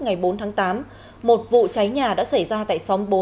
ngày bốn tháng tám một vụ cháy nhà đã xảy ra tại xóm bốn